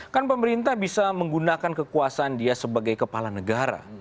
kan pemerintah bisa menggunakan kekuasaan dia sebagai kepala negara